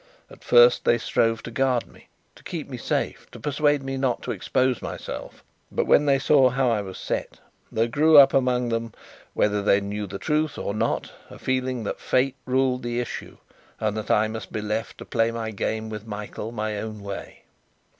At first they strove to guard me, to keep me safe, to persuade me not to expose myself; but when they saw how I was set, there grew up among them whether they knew the truth or not a feeling that Fate ruled the issue, and that I must be left to play my game with Michael my own way.